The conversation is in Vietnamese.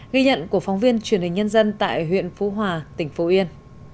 ghi nhận của phóng viên truyền hình nhân dân tại huyện phú hòa tỉnh phú yên